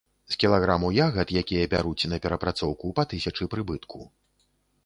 З кілаграму ягад, якія бяруць на перапрацоўку, па тысячы прыбытку.